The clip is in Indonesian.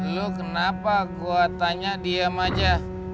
lu kenapa gua tanya diam aja